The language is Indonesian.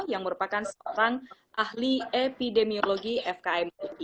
yang merupakan seorang ahli epidemiologi fkm ui